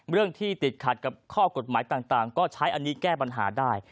เรื่องที่ติดขัดกับข้อกฎหมายต่างก็ใช้อันนี้แก้ปัญหาได้